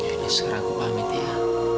yoni sekarang aku pamit ya